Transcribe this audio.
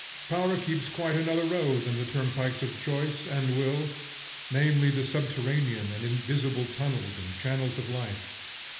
Power keeps quite another road than the turnpikes of choice and will; namely the subterranean and invisible tunnels and channels of life.